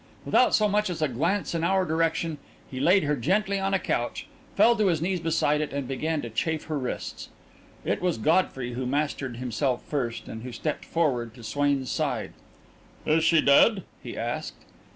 Without so much as a glance in our direction, he laid her gently on a couch, fell to his knees beside it, and began to chafe her wrists. It was Godfrey who mastered himself first, and who stepped forward to Swain's side. "Is she dead?" he asked.